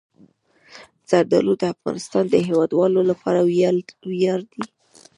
زردالو د افغانستان د هیوادوالو لپاره ویاړ دی.